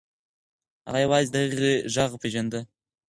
هغه یوازې د هغې غږ پیژانده.